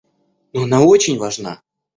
Но она очень важна.